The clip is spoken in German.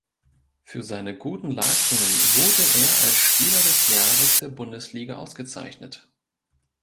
Für seine guten Leistungen wurde er als Spieler des Jahres der Bundesliga ausgezeichnet.